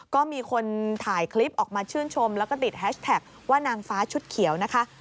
ก็มีคนถ่ายคลิปออกมาชื่นชมแล้วก็ติดแฮชแท็กว่านางฟ้าชุดเขียวนะคะ